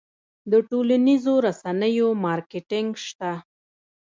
د ټولنیزو رسنیو مارکیټینګ شته؟